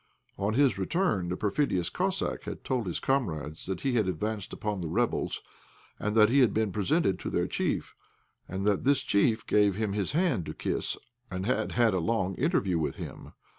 On his return the perfidious Cossack had told his comrades that he had advanced upon the rebels, and that he had been presented to their chief, and that this chief gave him his hand to kiss and had had a long interview with him.